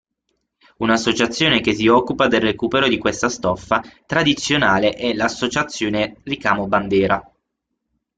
Un'associazione che si occupa del recupero di questa stoffa tradizionale è l'Associazione ricamo bandera.